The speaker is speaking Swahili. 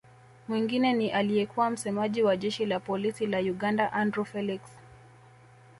Mwingine ni aliyekuwa msemaji wa Jeshi la Polisi la Uganda Andrew Felix